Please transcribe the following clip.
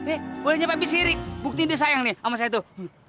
eh boleh nyapa bisirik buktin dia sayang nih sama saya tuh